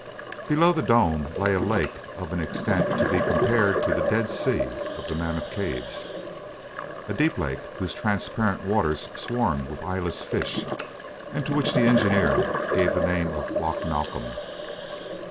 Below the dome lay a lake of an extent to be compared to the Dead Sea of the Mammoth caves—a deep lake whose transparent waters swarmed with eyeless fish, and to which the engineer gave the name of Loch Malcolm.